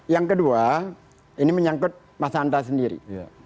yang kedua ini menyangkut mas hanta sendiri